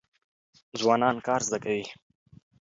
ځوانان کار زده کوي.